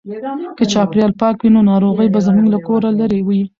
که چاپیریال پاک وي نو ناروغۍ به زموږ له کوره لیري وي.